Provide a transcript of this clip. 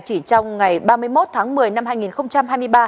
chỉ trong ngày ba mươi một tháng một mươi năm hai nghìn hai mươi ba